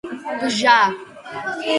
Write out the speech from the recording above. ბჟა